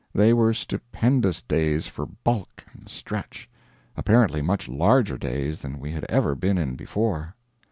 They were stupendous days for bulk and stretch; apparently much larger days than we had ever been in before.